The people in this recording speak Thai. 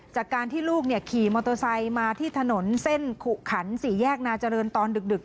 จากการที่ลูกขี่มอเตอร์ไซค์มาที่ถนนเส้นขุขันสี่แยกนาเจริญตอนดึก